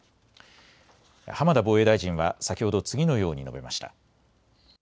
浜田防衛大臣は先ほど次のように述べました。